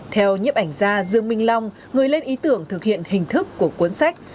theo nhiếp ảnh gia dương minh long người lên ý tưởng thực hiện hình thức của cuốn sách